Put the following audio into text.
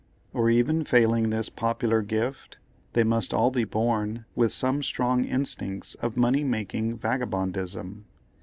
Or, even failing this popular gift, they must all be born with some strong instincts of money making vagabondism.